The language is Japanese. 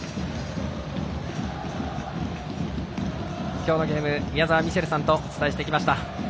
今日のゲーム宮澤ミシェルさんとお伝えしてきました。